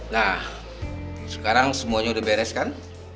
nah sekarang semuanya udah beres kan